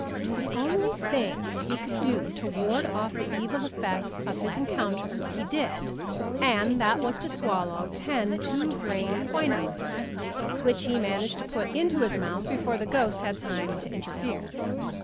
The only thing he could do to ward off the evil effects of his encounter he did, and that was to swallow ten two grain quinine pills, which he managed to put into his mouth before the ghost had time to interfere.